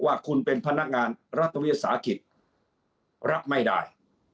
ถ้าคุณเป็นพนักงานรัฐวิทย์ศาสตร์กิจรับไม่ได้